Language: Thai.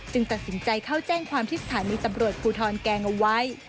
ตัดสินใจเข้าแจ้งความที่สถานีตำรวจภูทรแกงเอาไว้